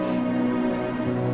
aku harus kerja lagi